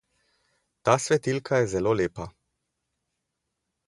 Ta svetilka je zelo lepa.